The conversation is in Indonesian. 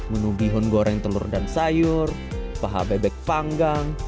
menu bihun goreng telur dan sayur paha bebek panggang